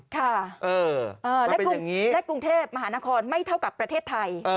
และกรุงเทพไม่เท่ากับประเทศไทย